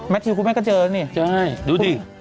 แมทชีวิตคุณแม่ก็เจอแล้วนี่คุณแม่ใช่ดูดิ